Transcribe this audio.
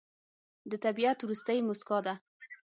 د طبیعت وروستی موسکا ده